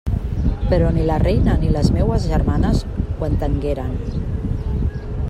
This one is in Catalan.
Però ni la reina ni les meues germanes ho entengueren.